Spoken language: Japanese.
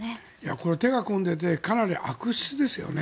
これ、手が込んでいてかなり悪質ですよね。